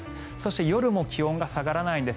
そして、夜も気温が下がらないんです。